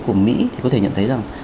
của mỹ thì có thể nhận thấy rằng